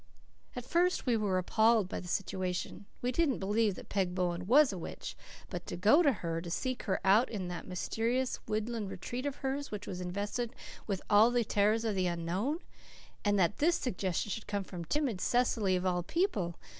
At first we were appalled by the suggestion. We didn't believe that Peg Bowen was a witch. But to go to her to seek her out in that mysterious woodland retreat of hers which was invested with all the terrors of the unknown! And that this suggestion should come from timid Cecily, of all people!